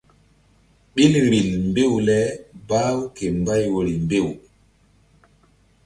Ɓil vbil mbew le bah-u ke mbay woyri mbew.